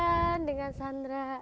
wan dengan sandra